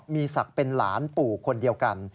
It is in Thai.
มีศักดิ์เป็นหลานปู่คนเดียวกัน